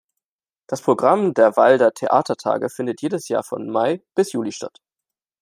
Das Programm der Walder Theatertage findet jedes Jahr von Mai bis Juli statt.